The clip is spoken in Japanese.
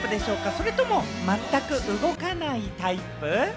それともまったく動かないタイプ？